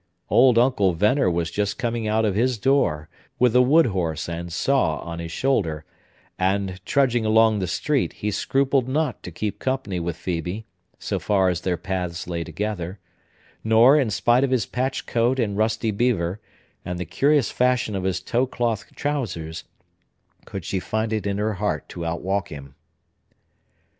Old Uncle Venner was just coming out of his door, with a wood horse and saw on his shoulder; and, trudging along the street, he scrupled not to keep company with Phœbe, so far as their paths lay together; nor, in spite of his patched coat and rusty beaver, and the curious fashion of his tow cloth trousers, could she find it in her heart to outwalk him.